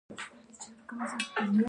ښځې په اقتصاد کې ونډه لري.